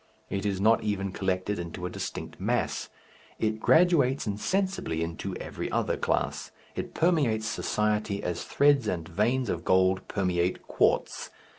It is not even collected into a distinct mass. It graduates insensibly into every other class, it permeates society as threads and veins of gold permeate quartz.